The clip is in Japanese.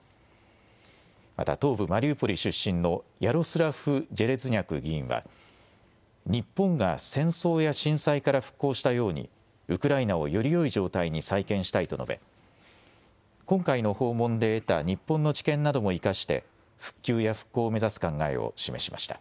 また東部マリウポリ出身のヤロスラフ・ジェレズニャク議員は、日本が戦争や震災から復興したようにウクライナをよりよい状態に再建したいと述べ今回の訪問で得た日本の知見なども生かして復旧や復興を目指す考えを示しました。